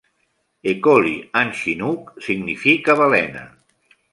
"Ehkoli" en chinook significa "balena".